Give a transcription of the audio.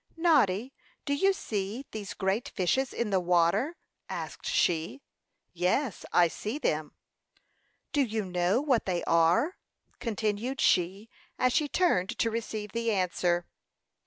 "Noddy, do you see these great fishes in the water?" asked she. "Yes, I see them." "Do you know what they are?" continued she, as she turned to receive the answer.